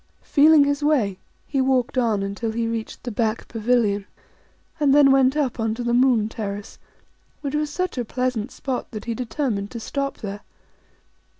Feeling his way, he walked on until he reached the back pavilion, and then went up on to the Moon Terrace, which was such a pleasant spot that he determined to stop there.